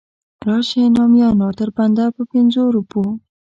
راشئ نامیانو تر بنده په پنځو روپو.